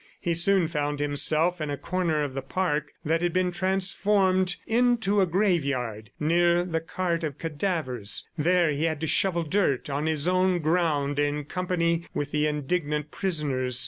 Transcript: He soon found himself in a corner of the park that had been transformed into a graveyard, near the cart of cadavers; there he had to shovel dirt on his own ground in company with the indignant prisoners.